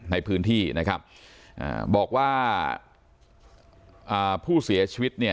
ในพื้นที่นะครับอ่าบอกว่าอ่าผู้เสียชีวิตเนี่ย